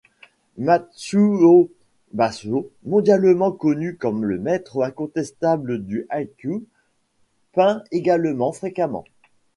Matsuo Bashō, mondialement connu comme le maître incontestable du haïku, peint également fréquemment.